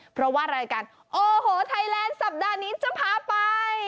เพราะว่ารายการโอ้โหไทยแลนด์สัปดาห์นี้จะพาไป